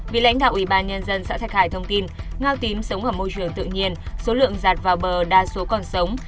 vị lãnh đạo ủy ban nhân dân xã thạch hải thông tin ngao tím sống ở môi trường tự nhiên số lượng giạt vào bờ đa số còn sống